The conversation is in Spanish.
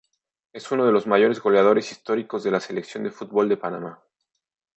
Es uno de los mayores goleadores históricos de la Selección de fútbol de Panamá.